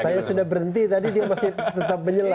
saya sudah berhenti tadi dia masih tetap menyelak